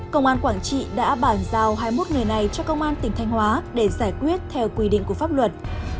công an quảng trị đã bản giao hai mươi một người này cho công an tỉnh thanh hóa để giải quyết theo quy định của pháp luật